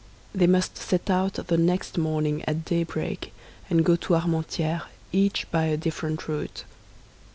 They must set out the next morning at daybreak, and go to Armentières—each by a different route.